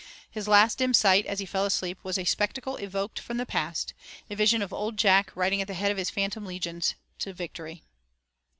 His last dim sight, as he fell asleep, was a spectacle evoked from the past, a vision of Old Jack riding at the head of his phantom legions to victory.